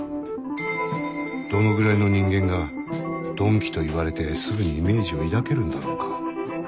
どのぐらいの人間が「鈍器」と言われてすぐにイメージを抱けるんだろうか？